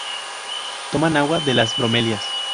Toman agua de las bromelias.